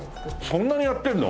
そんなにやってるの？